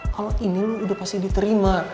kalau ini udah pasti diterima